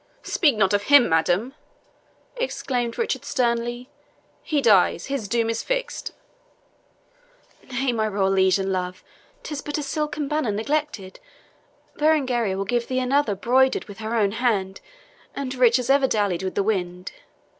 "Speak not of him, madam," exclaimed Richard sternly; "he dies his doom is fixed." "Nay, my royal liege and love, 'tis but a silken banner neglected. Berengaria will give thee another broidered with her own hand, and rich as ever dallied with the wind.